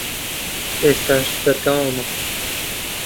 ئێستاش بەردەوامە